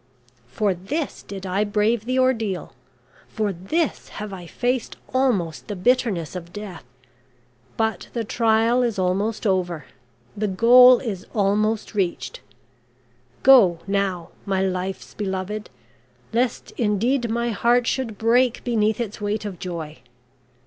For this did I brave the ordeal, for this have I faced almost the bitterness of death but the trial is almost over the goal is almost reached. Go, now, my life's beloved, lest indeed my heart should break beneath its weight of joy!